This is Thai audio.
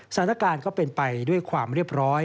สถานการณ์ก็เป็นไปด้วยความเรียบร้อย